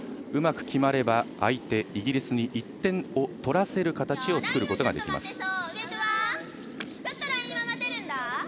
うまく決まれば相手、イギリスに１点を取らせる形を作ることができます。